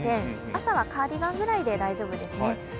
朝はカーディガンぐらいで大丈夫ですね。